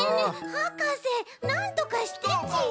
はかせなんとかしてち！